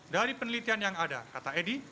dari penelitian yang ada kata edi